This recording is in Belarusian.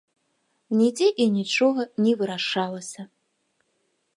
Нідзе і нічога не вырашалася!